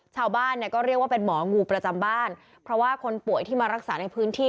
ชาวบ้านเนี่ยก็เรียกว่าเป็นหมองูประจำบ้านเพราะว่าคนป่วยที่มารักษาในพื้นที่